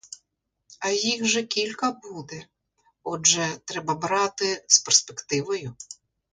А їх же кілька буде, отже, треба брати з перспективою.